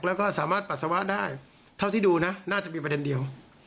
แล้วก็สามารถปัสสาวะได้เท่าที่ดูนะน่าจะมีประเด็นเดียว